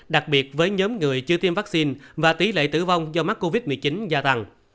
đặc biệt với nhóm người chưa tiêm vaccine và tỷ lệ tử vong do mắc covid một mươi chín gia tăng